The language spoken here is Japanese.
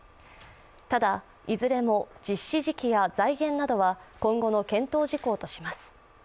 ただ、いずれも実施時期や財源などは今後の検討事項とします。